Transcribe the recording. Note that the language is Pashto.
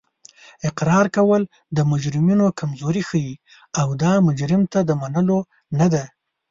اقرار کول د مجرمینو کمزوري ښیي او دا مجرم ته د منلو نه ده